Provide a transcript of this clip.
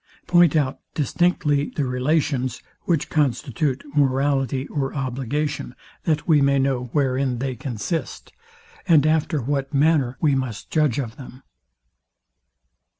Point out distinctly the relations, which constitute morality or obligation, that we may know wherein they consist, and after what manner we must judge of them.